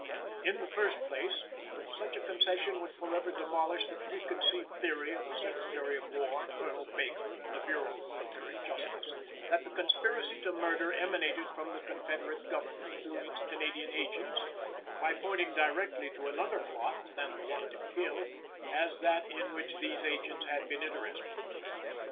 In the first place, such a concession would forever demolish the preconceived theory of the Secretary of War, Colonel Baker and the Bureau of Military Justice, that the conspiracy to murder emanated from the Confederate Government through its Canadian agents, by pointing directly to another plot than the one to kill as that in which these agents had been interested.